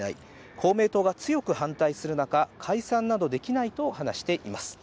公明党が強く反対する中、解散などできないと話しています。